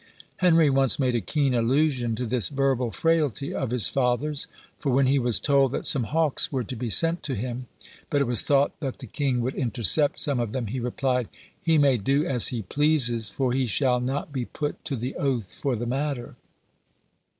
Henry once made a keen allusion to this verbal frailty of his father's; for when he was told that some hawks were to be sent to him, but it was thought that the king would intercept some of them, he replied, "He may do as he pleases, for he shall not be put to the oath for the matter."